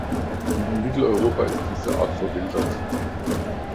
In Mitteleuropa ist diese Art verwildert.